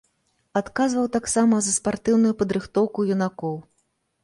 Адказваў таксама за спартыўную падрыхтоўку юнакоў.